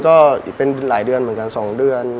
ก็อีกเป็นหลายเดือนเหมือนกัน๒เดือน